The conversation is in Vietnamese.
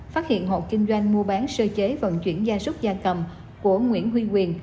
phát hiện hộ kinh doanh mua bán sơ chế vận chuyển gia súc gia cầm của nguyễn huy quyền